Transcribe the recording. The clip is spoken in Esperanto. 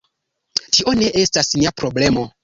Tio ne estas nia problemo.